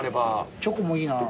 チョコもいいな。